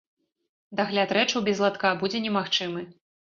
Дагляд рэчаў без латка будзе немагчымы.